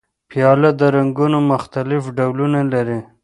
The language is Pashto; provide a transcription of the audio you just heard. پیاله د رنګونو مختلف ډولونه لري.